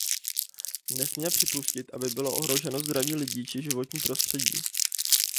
Nesmíme připustit, aby bylo ohroženo zdraví lidí či životní prostředí.